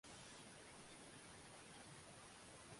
usika kwa njia moja ama nyengine kwa ghasia hizo